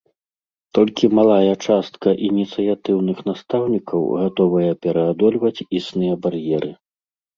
Толькі малая частка ініцыятыўных настаўнікаў гатовая пераадольваць існыя бар'еры.